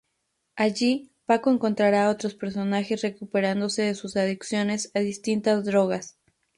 Allí Paco encontrará otros personajes recuperándose de sus adicciones a distintas drogas.